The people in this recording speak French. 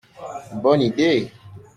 Bonne idée!